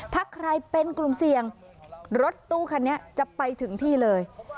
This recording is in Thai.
ถ้าใครเป็นกลุ่มเสี่ยงรถตู้คันนี้จะไปถึงที่เลย